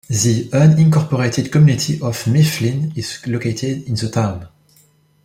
The unincorporated community of Mifflin is located in the town.